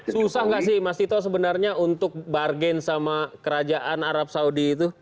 susah nggak sih mas tito sebenarnya untuk bargain sama kerajaan arab saudi itu